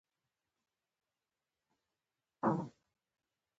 زه باید استراحت وکړم.